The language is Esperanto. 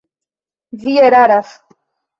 Vi eraras!